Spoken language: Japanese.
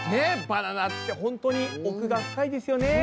バナナってほんとに奥が深いですよね。